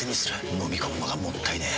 のみ込むのがもったいねえ。